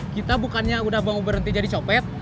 kita bukannya udah mau berhenti jadi copet